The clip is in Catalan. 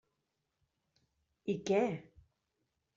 I què!